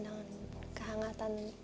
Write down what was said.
dengan kehangatan tante marissa